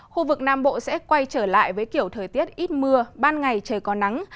khu vực nam bộ sẽ quay trở lại với kiểu thời tiết ít mưa ban ngày trời có nắng